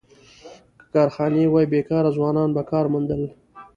که کارخانې وای، بېکاره ځوانان به کار موندل.